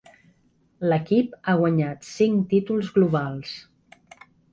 L'equip ha guanyat cinc títols globals.